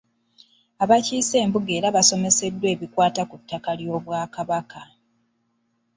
Abakiise embuga era basomeseddwa ebikwata ku ttaka ly’Obwakabaka.